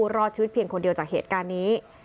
รอดชีวิตเพียงคนเดียวจากเหตุการณ์นี้